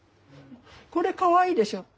これかわいいでしょ。